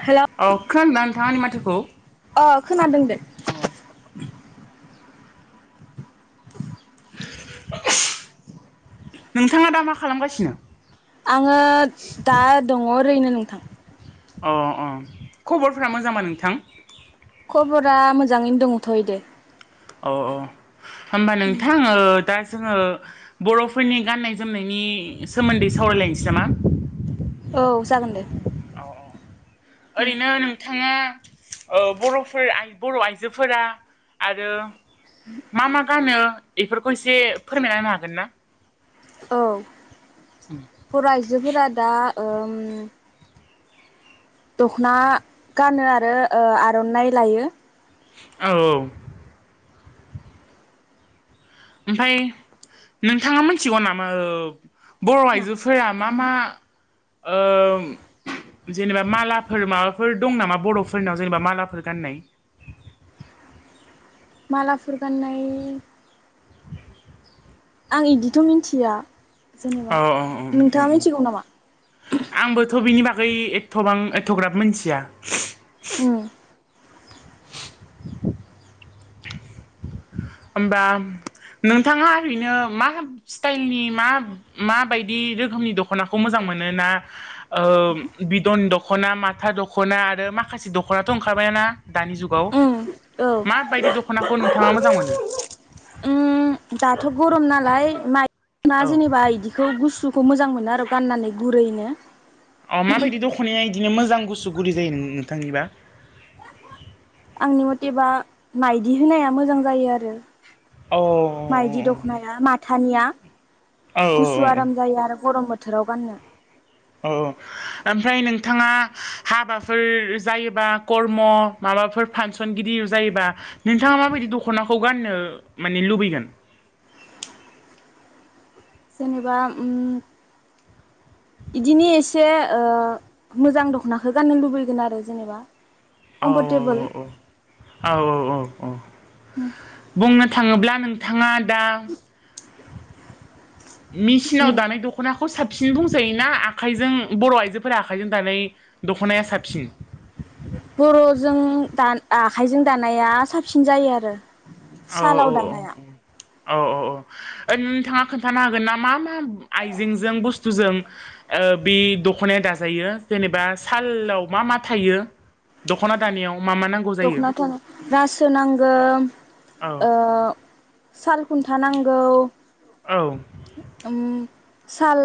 Hello औ खोनादों ना नोंथाङा आंनि माथोखौ अ खोनादों दे अ नोंथाङा दा मा खालामगासिनो आङो दा दङ ओरैनो नोंथां अ अ खबरफोरा मोजां बा नोंथां खबरा मोजाङैनो दङथ'योदे अ अ होमबा नोंथां ओ दा जोङो बर'फोरनि गान्नाय जोमनायनि सोमोन्दै सावरायलायनोसै नामा औ जागोन दे औ ओरैनो नोंथाङा औ बर'फोर आइ बर' आइजोफोरा आरो मा मा गानो एफोरखौ एसे फोरमायना होनो हागोन ना औ बर' आइजोफोरा दा ओम दखना गानो आरो ओ आर'नाइ लायो औ औ ओमफाय नोंथाङा मिथिगौ नामा औ बर' आइजोफोरा मा मा ओम जेनेबा मालाफोर माबाफोर दं नामा बर'फोरनाव जेनेबा मालाफोर गाननाय मालाफोर गान्नाय आं इदिथ' मिथिया जेनेबा अ अ अ उम नोंथाङा उम मिथिगौ नामा आंबोथ' बिनि बागै बागै एथबां एथ'ग्राब मिथिया उम हमबा नोंथाङा ओरैनो मा स्टाइलनि मा माबायदि रोखोमनि दख'नाखौ मोजां मोनो मोनोना ओ बिदन दख'ना माथा दख'ना आरो माखासे दख'नाथ' ओंखारबायाना दानि जुगाव उम औ माबायदि दख'नाखौ नोंथाङा मोजां मोनो उम दाथ' गरम नालाय माइरा औ जेनेबा इदिखौ गुसु खौ मोजां मोनो आरो गाननानै गुरैनो अ माबायदि दख'नाया इदिनो मोजां गुसु गुदि जायो नोंथांनिबा आंनि मथेबा माइदि होनाया मोजां जायो आरो अ माइदि दख'नाया माथानिया अ औ औ औ गुसु औ आराम जायो आरो गरम बोथोर बोथोराव गाननो औ औ ओमफ्राय नोंथाङा हाबाफोर जायोबा कर्म माबा माबाफोर फांसनगिरिद जायोबा नोंथाङा माबायदि दख'नाखौ गाननो माने लुबैगोन जेनेबा उम बिदिनो एसे ओ मोजां दख'नाखौ गाननो लुबैगोन आरो जेनेबा। औ कमफरटेबोल औ औ औ औ बुंनो थाङोब्ला नोंथाङा दा मेसिनाव उम दानाय दख'ना खौ साबसिन बुंजायोना आखाइजों बर' आइजोफोरा आखाइजों दानाय दख'नाया साबसिन [inaudible] बर'जों द आखाइजों दानाया साबसिन जायो आरो। औ सालाव दानाया औ औ औ औ ओय नोंथाङा खोन्थानो हागोन ना मा मा आइजेंजों बुस्थुजों बे दख'नाया दाजायो जेनेबा सालाव मा मा थायो दख'ना दानायाव। मा मा नांगौ जायो दख'ना दानो रासो नांगौ औ ओ साल खुन्थानांगौ औ साल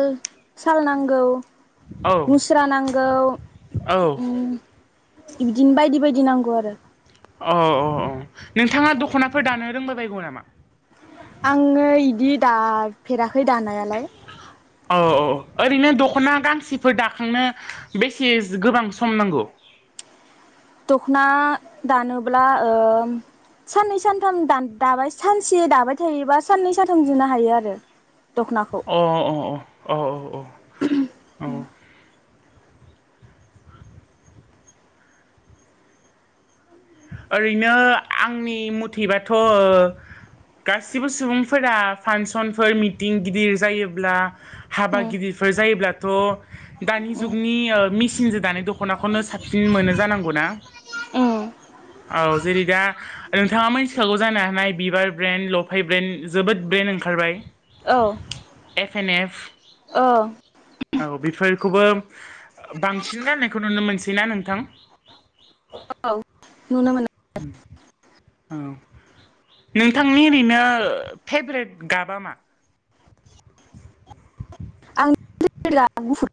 साल नांगौ। औ मुस्रा नांगौ औ ओम। बिदिनो बायदि बायदि नांगौ आरो् अ औ औ नोंथाङा दख'नाफोर दानो रोंबायबायगौ नामा? आङो इदि दाफेराखै दानायालाय। औ औ ओरैनो दख'ना गांसेफोर दाखांनो बेसे गोबां सम नांगौ? [inaudible] दख'ना दानोब्ला ओम साननै सानथाम दाबा सानसे दाबाय थायोबा साननै सानथाम जोंनो हायो आरो। दख'नाखौ अ अ औ औ औ औ ओरैनो आंनि मुथैबाथ' गासिबो सुबुंफोरा फांसनफोर मिथिं गिदिर जायोब्ला। हाबा उम गिदिरफोर जायोब्ला। थ' दानि जुगनि मेसिनजों दानाय दख'नाखौनो साबसिन मोनो जानांगौ ना। [inaudible] औ जेरै दा नोंथाङा मोनथिखागौ जानो हानाय बिबार ब्रेन्ड लफाय ब्रेन्ड जोबोद ब्रेन्ड देन ओंखारबाय औ एफ एन एफ औ औ बेफोरखौबो बांसिन गाननायखौ नुनो मोनसैना नोंथां। औ नुनो मोनो औ नोंथांनि ओरैनो फेभरेट गाबा मा? निला आरो गुफुर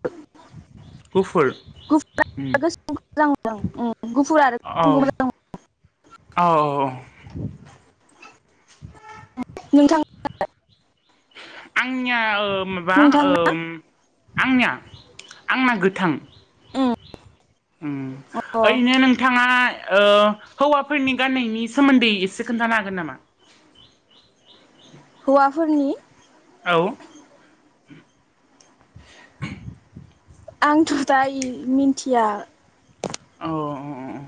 गुफुर गुफुर उम आरो गोसोमखौ मोजां मोनो आं ओम गुफुर आरो औ गोसोमखौ मोजां मोनो। औ औ औ नोंथां आलाय। आंनिया? ओ माबा ओ नोंथांना आंनिया आंना गोथां। उम ओम अ ओरैनो नोंथाङा ओ हौवाफोरनि गान्नायनि सोमोन्दै एसे खोन्थानो हागोन नामा? हौवाफोरनि औ आंथ' दायो मिन्थिया। औ औ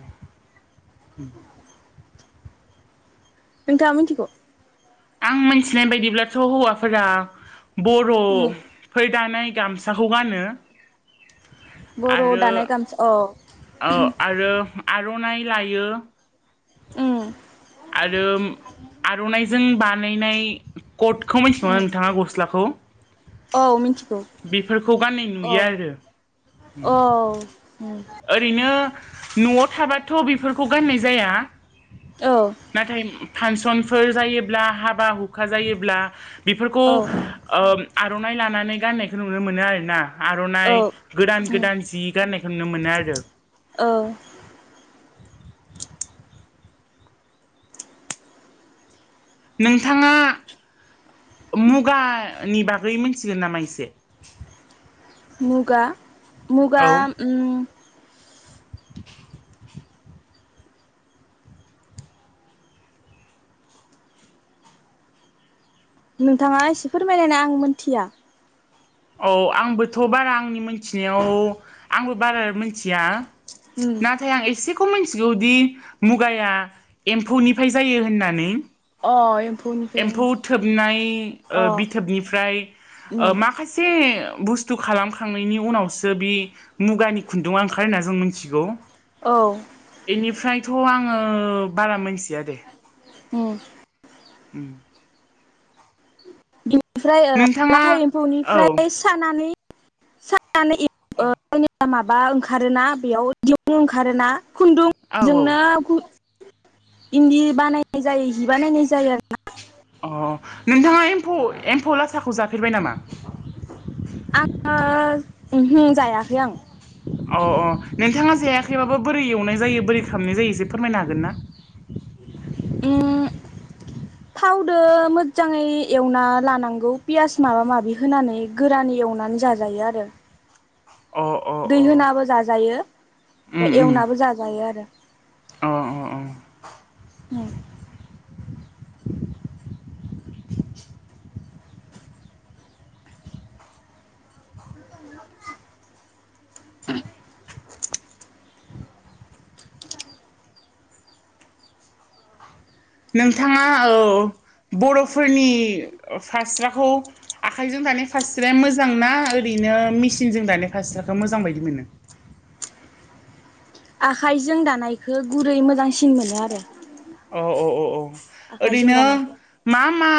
नोंथाङा मिथिगौ? आं मिथिनाय बायदिब्लाथ' हौवाफोरा बर' उम फोर दानाय गामसाखौ गानो बर' आरो दानाय गामसा औ आरो आर'नाइ लायो उम आरो आर'नाइजों बानायनाय कटखौ मिथिगौ उम ना नोंथाङा गस्लाखौ औ मिथिगौ बेफोरखौ गाननाय औ नुयो आरो औ उम ओरैनो न'आव थाबाथ' बेफोरखौ गाननाय जाया। औ नाथाय फांसनफोर जायोब्ला हाबा हुखा जायोब्ला बेफोरखौ औ ओ आर'नाइ लानानै गाननायखौ नुनो मोनो आरो ना आर'नाइ औ गोदान उम गोदान जि गान्नायखौ नुनो मोनो आरो। औ नोंथाङा मुगानि बागै मोनथिगोन नामा इसे मुगा मुगा ओम [inaudible] नोंथाङा एसे फोरमायलायना आं मोनथिया। औ आंबोथ' बारा आंनि मिथिनायाव आंबो बारा मिथिया। उम नाथाय आं एसे बे खौ मिथिगौदि मुगाया एम्फौनिफ्राय जायो होननानै। अ एम्फौनिफ्राय एम्फौ थोबनाय ओं अ बिथोबनिफ्राय उम माखासे बुस्थु खालामखांनायनि उनावसो बे मुगानि खुन्दुङा ओंखारो होनना जों मिथिगौ। औ बेनिफ्रायथ' आङो बारा मोनथिया दे। औ। ओम। ओमफ्राय ओ नोंथाङा लाथा औ एम्फौनिफ्राय सानानै सानानै [inaudible] औ [inaudible] माबा ओंखारोना बेयाव दिरुं ओंखारोना औ खुन्दुंजोंनो इन्दि बानायनाय जायो जि बानायनाय जायो आरो। अ नोंथाङा एम्फौ एम्फौ लाथाखौ जाफेरबाय नामा? आङो उमहो जायाखै आं। अ अ नोंथाङा जायाखैबाबो बोरै एवनाय जायो बोरै खालामनाय जायो एसे फोरमायनो हागोन ना? [inaudible] उम थावदो मोजाङै एवना लानांगौ पियास माबा माबि होनानै गोरानै एवनानै जाजायो आरो। अ अ दै अ होनाबो जाजायो ओमफाय एवनाबो जाजायो आरो। औ औ औ। [inaudible] [inaudible] नोंथाङा औ बर'फोरनि फास्राखौ आखाइजों दानाय फास्राया मोजांना ओरै नो मेसिनजों दानाय फास्राखौ मोजां बायदि मोनो? आखाइजों दानायखौ गुरै मोजांसिन मोनो आरो। अ अ अ अ आखाइजों ओरैनो दानायखौ मा मा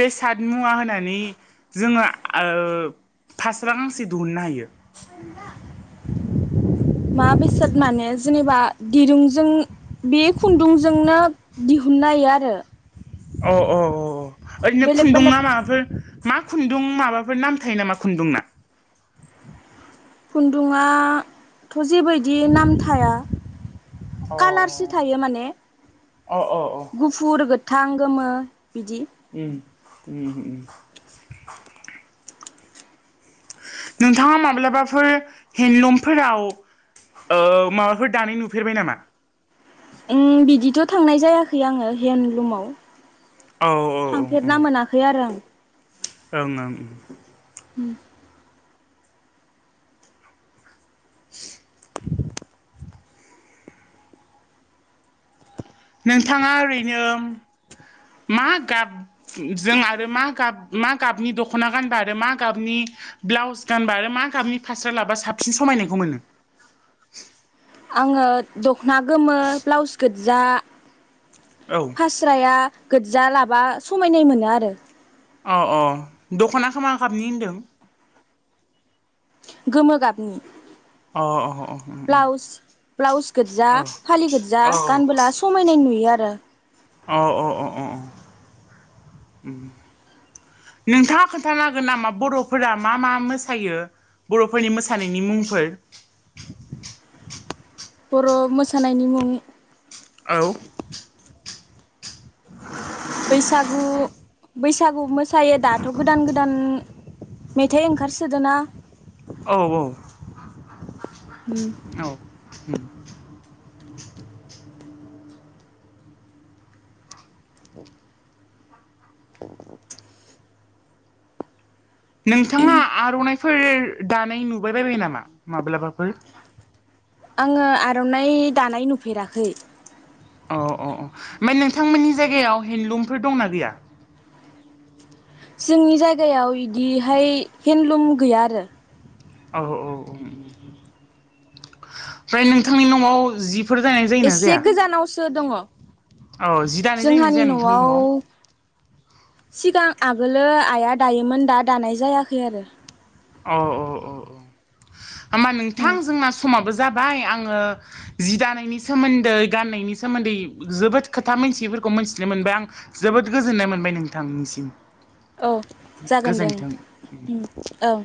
बेसाद मुवा होनानै जोङो ओ फास्रा गांसे दिहुननो हायो? मा बेसाद माने जेनेबा दिरुंजों बे खुन्दुंजोंनो दिहुन नाय आरो। अ औ औ ओरैनो बेलेग खुनदुं बेलेग ना माजों मा खुन्दुं माबाफोर नाम थायो नामा खुन्दुंना? खुन्दुङा थ' जेबायदि नाम थाया अ कालारसो थायो माने अ अ अ गुफुर गोथां गोमो बिदि। उम उम उम नोंथाङा माब्लाबाफोर हेन्दलुमफोराव ओ माबाफोर दानाय नुफेरबाय नामा? उम बिदिथ' थांनाय जायाखै आङो हेन्दलुमाव। औ औ ओं थांफेरना मोनाखै आरो आं ओं ओं उम [inaudible] नोंथाङा ओरैनो मा गाब जों आरो मा गाब मा गाबनि दख'ना गानब आरो मा गाबनि ब्लाउस गानबा आरो मा गाबनि फास्रा लाबा साबसिन समायनायखौ मोनो? आङो दखना गोमो ब्लाउस गोजा औौ फास्राया गोज्जा लाबा समायनाय मोनो आरो‌ औ औ दख'ना खौ मा गाबनि होनदों? गोमो गाबनि अ अ ब्लाउस ब्लाउस गोजा फालि गोजा औ गानबोला समायनाय नुयो आरो। [unintelligible] औ औ अ अ नोंथाङा खोन्थानो हागोन नामा बर'फोरा मा मा मोसायो? बर'फोरनि मोसानायनि मुंफोर? बर' मोसानायनि मुं औ बैसागु बैसागु मोसायो दाथ' गोदान गोदान मेथाइ ओंखारसोदोना औ औ औ उम नोंथाङा आर'नायफोर दानाय नुबाय बायबाय नामा माब्लाबाफोर? [inaudible] आङो आर'नाइ दानाय नुफेराखै अ अ अ ओमफ्राय नोंथांमोननि जायगायाव हेडलुमफोर दंना गैया? जोंनि जायगायाव बिदिहाय हेन्दलुम गैया आरो। औ औ औ उम ओमफ्राय नोंथांनि न'आव जि एसे गोजानावसो दङो औ जि दानाय जायोना जोंहानि जाया नोंथांनि न'आव औ सिगां आगोलो आइया दायोमोन दा दानाय जायाखै आरो। अ अ अ होमबा नोंथां जोंना समाबो जा जाबाय आङो जि दानायनि सोमोन्दै गाननायनि सोमोन्दै जोबोद खोथा मोनथि खौ मोनथिनो मोनबाय आं जोबोद गोजोननाय मोनबाय नोंथांनिसिम। औ जागोन दे गोजोन्थों ओं ओं